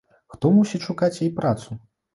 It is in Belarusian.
Хто мусіць шукаць ёй працу?